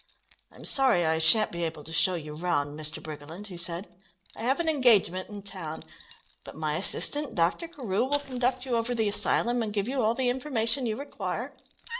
"I'm sorry I shan't be able to show you round, Mr. Briggerland," he said. "I have an engagement in town, but my assistant, Dr. Carew, will conduct you over the asylum and give you all the information you require.